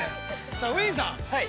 さあウィンさん！